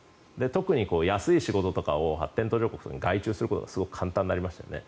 特に安い仕事とかを発展途上国に外注することがすごく簡単になりましたよね。